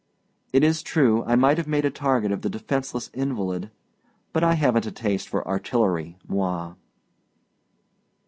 It is true, I might have made a target of the defenceless invalid; but I havenât a taste for artillery, moi.